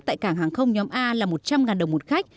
tại cảng hàng không nhóm a là một trăm linh đồng một khách